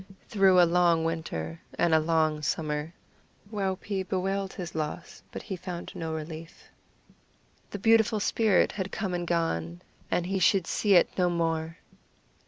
Through a long winter and a long summer Waupee bewailed his loss, but he found no relief. The beautiful spirit had come and gone, and he should see it no more!